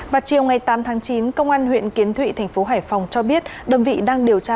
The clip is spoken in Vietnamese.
vào chiều ngày tám tháng chín công an huyện kiến thụy thành phố hải phòng cho biết đồng vị đang điều tra